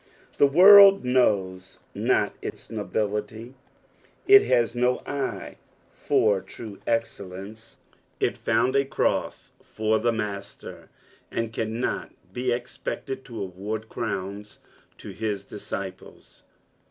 The world knows not its nobility, it baa do eye for tme ezcetlence : it found a cross for the Master, and cannot be expected to award crowns to hia disciples.